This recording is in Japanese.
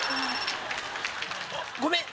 ごめん！